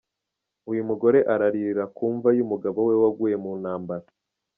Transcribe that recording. Uyu mugore araririra ku mva y'umugabo we waguye mu ntambara.